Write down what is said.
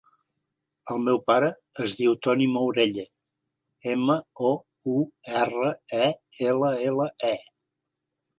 El meu pare es diu Toni Mourelle: ema, o, u, erra, e, ela, ela, e.